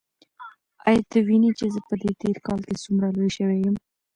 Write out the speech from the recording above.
ایا ته وینې چې زه په دې تېر کال کې څومره لوی شوی یم؟